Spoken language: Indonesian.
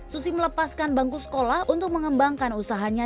susi melepaskan bangku sekolah untuk mengembangkan usahanya